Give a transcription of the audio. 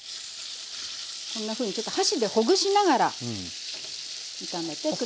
こんなふうにちょっと箸でほぐしながら炒めて下さい。